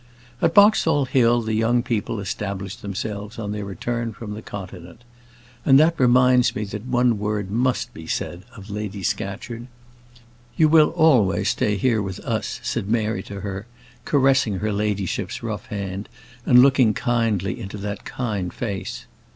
At Boxall Hill the young people established themselves on their return from the Continent. And that reminds me that one word must be said of Lady Scatcherd. "You will always stay here with us," said Mary to her, caressing her ladyship's rough hand, and looking kindly into that kind face.